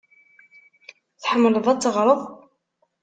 Tḥemmleḍ ad teɣreḍ?